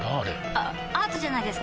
あアートじゃないですか？